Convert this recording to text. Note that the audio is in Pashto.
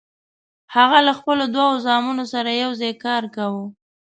هغه له خپلو دوو زامنو سره یوځای کار کاوه.